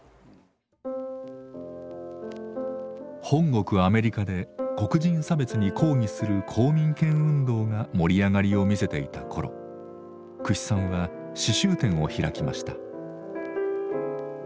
本国アメリカで黒人差別に抗議する公民権運動が盛り上がりを見せていた頃久志さんは刺しゅう店を開きました。